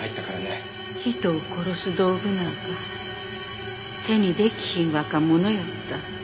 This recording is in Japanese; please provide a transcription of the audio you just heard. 人を殺す道具なんか手にできひん若者やった。